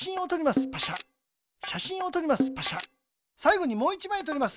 さいごにもう１まいとります。